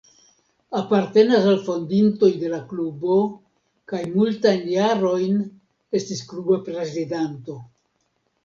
Apartenas al fondintoj de la klubo kaj multajn jarojn estis kluba prezidanto.